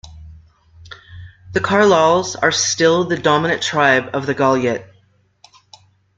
The Karlal's are still the dominant tribe of the Galyat.